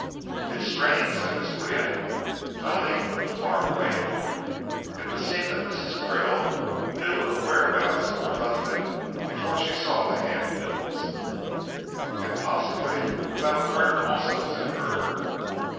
"It's strange," said Miss Qian, nodding with a faraway look. "It would seem that Mrs. Krill knew of the whereabouts of her husband before she saw the hand bills." "And possibly about the murder also," said Hurd.